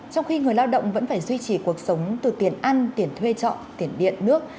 trong khi người lao động vẫn phải duy trì cuộc sống từ tiền ăn tiền thuê trọ tiền điện nước